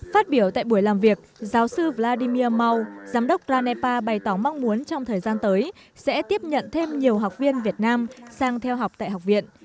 phát biểu tại buổi làm việc giáo sư vladimir mao giám đốc ranepa bày tỏ mong muốn trong thời gian tới sẽ tiếp nhận thêm nhiều học viên việt nam sang theo học tại học viện